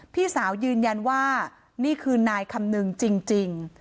พี่สาวยืนยันว่านี่คือนายคำนึงจริง